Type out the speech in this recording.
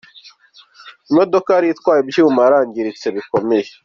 Imodoka yari itwaye ibyuma yarangiritse bikomeye.